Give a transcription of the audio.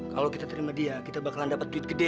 kalau kita terima dia kita bakalan dapat duit gede